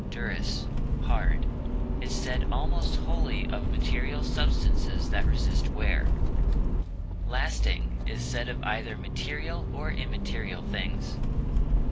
durus, hard) is said almost wholly of material substances that resist wear; lasting is said of either material or immaterial things.